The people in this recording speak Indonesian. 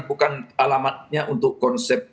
bukan alamatnya untuk konsep